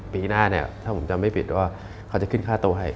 ปีหน้าเนี่ยถ้าผมจำไม่ผิดว่าเขาจะขึ้นค่าตัวให้